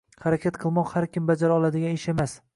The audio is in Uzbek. harakat qilmoq har kim bajara oladigan ish emas.